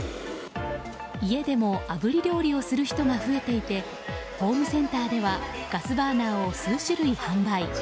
家でもあぶり料理をする人が増えていて、ホームセンターではガスバーナーを数種類販売。